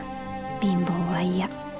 「貧乏は嫌。